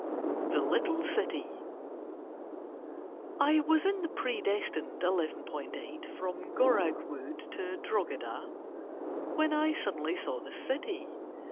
THE LITTLE CITY I was in the pre destined 11.8 from Goraghwood to Drogheda, when I suddenly saw the city.